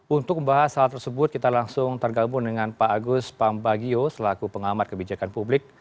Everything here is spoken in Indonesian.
untuk membahas hal tersebut kita langsung tergabung dengan pak agus pambagio selaku pengamat kebijakan publik